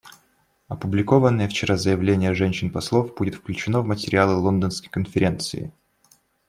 Опубликованное вчера заявление женщин-послов будет включено в материалы Лондонской конференции.